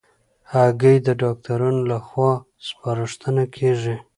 هګۍ د ډاکټرانو له خوا سپارښتنه کېږي.